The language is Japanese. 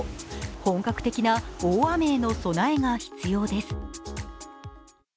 本格的な大雨への備えが必要です。